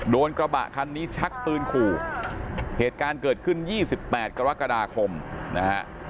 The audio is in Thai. กระบะคันนี้ชักปืนขู่เหตุการณ์เกิดขึ้น๒๘กรกฎาคมนะฮะ